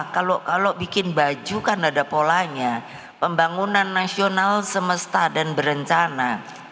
kalau bikin baju kan ada polanya pembangunan nasional semesta dan berencana